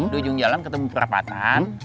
di ujung jalan ketemu perapatan